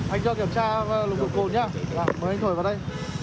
anh cho kiểm tra nồng độ cồn nhé mời anh thổi vào đây